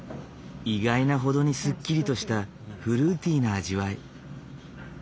意外なほどにすっきりとしたフルーティーな味わい。